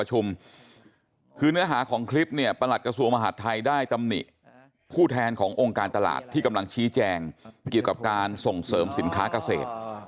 ส่งเสริมสินค้าเกษตร